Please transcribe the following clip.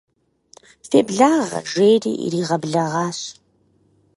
Феблагъэ, жери иригъэблэгъащ.